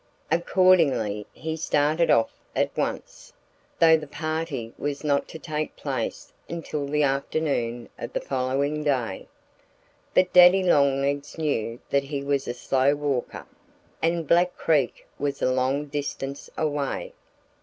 Accordingly he started off at once, though the party was not to take place until the afternoon of the following day. But Daddy Longlegs knew that he was a slow walker and Black Creek was a long distance away.